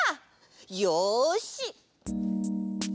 よし！